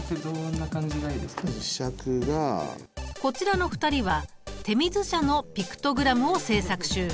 こちらの２人は手水舎のピクトグラムを制作中。